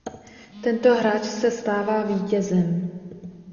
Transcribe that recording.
Tento hráč se stává vítězem.